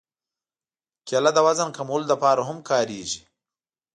کېله د وزن کمولو لپاره هم کارېږي.